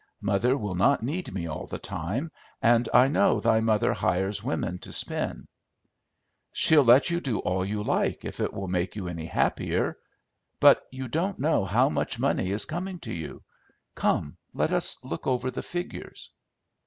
Mother will not need me all the time, and I know thy mother hires women to spin." "She'll let you do all you like if it will make you any happier. But you don't know how much money is coming to you. Come, let us look over the figures."